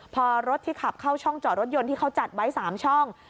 พอรถที่ขับเข้าช่องจอดรถยนต์ที่เขาจัดไว้๓ช่อง